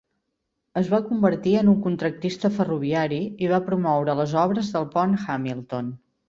Es va convertir en un contractista ferroviari i va promoure les obres del pont Hamilton.